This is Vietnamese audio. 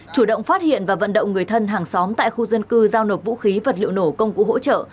chủ động phát hiện và vận động người thân hàng xóm tại khu dân cư giao nộp vũ khí vật liệu nổ công cụ hỗ trợ